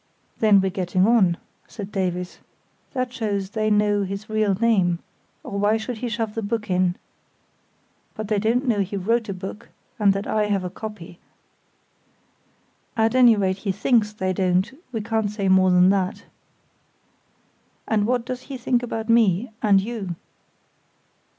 "Then we're getting on," said Davies. "That shows they know his real name, or why should he shove the book in? But they don't know he wrote a book, and that I have a copy." "At any rate he thinks they don't; we can't say more than that." "And what does he think about me—and you?"